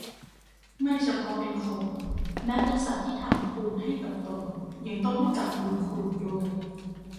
ไม่เฉพาะเป็นคนแม้เป็นสัตว์ที่ทำคุณให้กับตนยังต้องรู้จักบุญคุณด้วย